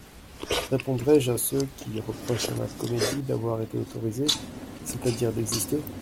Répondrai-je à ceux qui reprochent à ma comédie d'avoir été autorisée, c'est-à-dire d'exister ?